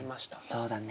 そうだね。